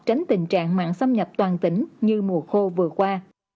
tránh tình trạng mạng xâm nhập toàn tỉnh như mùa khô vừa qua